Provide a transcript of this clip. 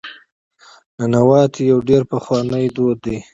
ننواتې یو ډېر پخوانی دود دی.